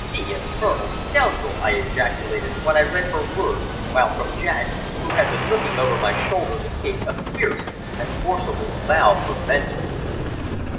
"The infernal scoundrel!" I ejaculated, when I read her words, while from Jack, who had been looking over my shoulder, escaped a fierce and forcible vow of vengeance.